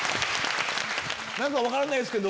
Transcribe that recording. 何か分からないですけど。